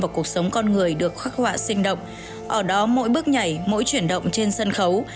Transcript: và cuộc sống con người được khắc họa sinh động ở đó mỗi bước nhảy mỗi chuyển động trên sân khấu